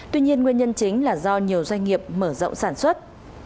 tuy nhiên nguyên nhân chính là do nhiều doanh nghiệp mở rộng sản xuất